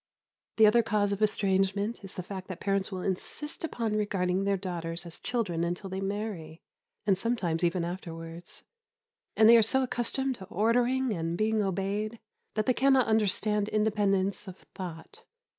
The other cause of estrangement is the fact that parents will insist upon regarding their daughters as children until they marry, and sometimes even afterwards; and they are so accustomed to ordering and being obeyed, that they cannot understand independence of thought.